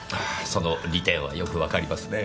その利点はよくわかりますね。